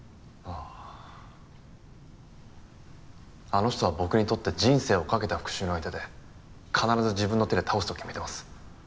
あの人は僕にとって人生を懸けた復讐の相手で必ず自分の手で倒すと決めてます。